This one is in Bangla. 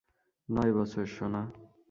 নয় বছর, সোনা।